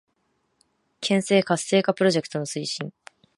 県西地域活性化プロジェクトの推進